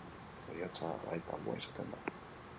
Heriotza gai tabua izaten da.